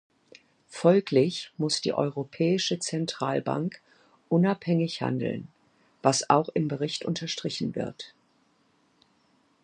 Folglich muss die Europäische Zentralbank unabhängig handeln, was auch im Bericht unterstrichen wird.